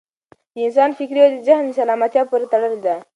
د انسان فکري وده د ذهن سالمتیا پورې تړلې ده.